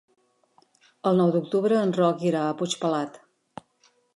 El nou d'octubre en Roc irà a Puigpelat.